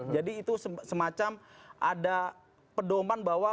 jadi itu semacam ada pedoman bahwa